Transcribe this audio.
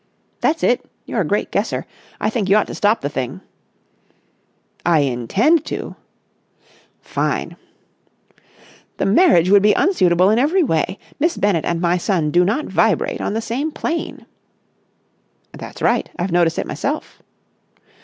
"That's it. You're a great guesser. I think you ought to stop the thing." "I intend to." "Fine!" "The marriage would be unsuitable in every way. Miss Bennett and my son do not vibrate on the same plane." "That's right. I've noticed it myself."